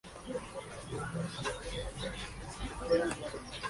El volumen de comercio bilateral es bajo.